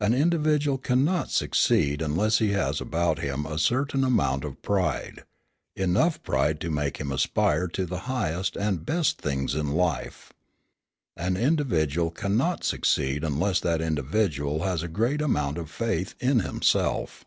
An individual cannot succeed unless he has about him a certain amount of pride, enough pride to make him aspire to the highest and best things in life. An individual cannot succeed unless that individual has a great amount of faith in himself.